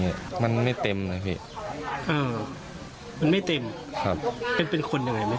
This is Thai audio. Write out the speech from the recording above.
นี้มันไม่เต็มเลยพี่เอ่อมันไม่เต็มครับเป็นคนยังไงไม่